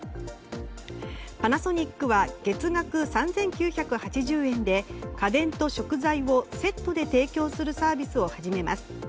パナソニックは月額３９８０円で家電と食材をセットで提供するサービスを始めます。